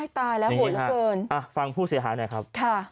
ตายแล้วโหดเหลือเกินฟังผู้เสียหายหน่อยครับค่ะ